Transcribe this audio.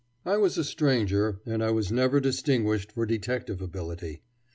I was a stranger, and I was never distinguished for detective ability.